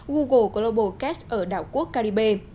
google global cash ở đảo quốc caribe